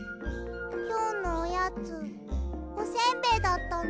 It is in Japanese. きょうのおやつおせんべいだったの。